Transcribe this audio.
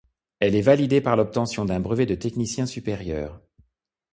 Elle est validée par l'obtention d'un brevet de technicien supérieur.